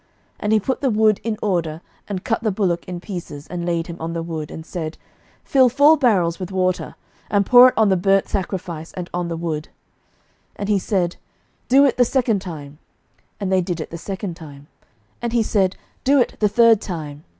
11:018:033 And he put the wood in order, and cut the bullock in pieces, and laid him on the wood, and said, Fill four barrels with water, and pour it on the burnt sacrifice, and on the wood. 11:018:034 And he said, Do it the second time. And they did it the second time. And he said, Do it the third time.